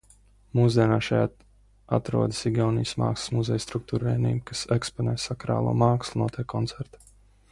Mūsdienās šeit atrodas Igaunijas mākslas muzeja struktūrvienība, kas eksponē sakrālo mākslu, notiek koncerti.